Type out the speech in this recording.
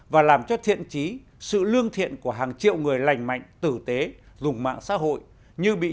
và làm cho thiện trí sự lương thiện của hàng triệu người lành mạnh tử tế dùng mạng xã hội như bị